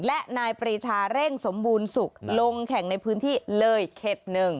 และนายปรีชาเร่งสมบูรณ์สุขลงแข่งในพื้นที่เลยเข็ด๑